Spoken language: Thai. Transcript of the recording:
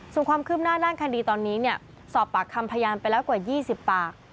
ส่วนความคืบหน้าด้านคดีตอนนี้สอบปากคำพยานไปแล้วกว่า๒๐ปาก